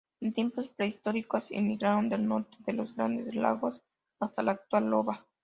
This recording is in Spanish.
En tiempos prehistóricos emigraron del Norte de los Grandes Lagos hasta la actual Iowa.